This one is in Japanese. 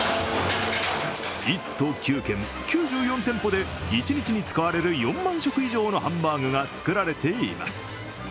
１都９県、９４店舗で一日に使われる４万食以上のハンバーグが作られています。